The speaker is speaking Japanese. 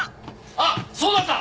あっそうだった！